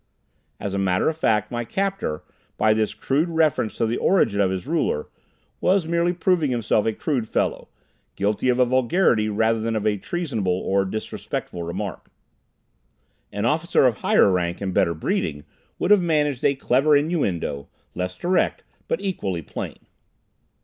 As a matter of fact, my captor, by this crude reference to the origin of his ruler, was merely proving himself a crude fellow, guilty of a vulgarity rather than of a treasonable or disrespectful remark. An officer of higher rank and better breeding, would have managed a clever innuendo, less direct, but equally plain.